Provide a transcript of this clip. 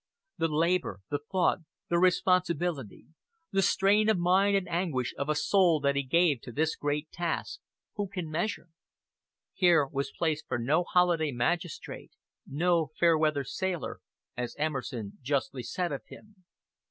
The labor, the thought, the responsibility, the strain of mind and anguish of soul that he gave to this great task, who can measure? "Here was place for no holiday magistrate, no fair weather sailor," as Emerson justly said of him.